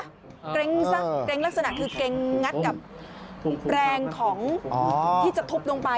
เกร็งซะเกรงลักษณะคือเกรงัดกับแรงของที่จะทุบลงไป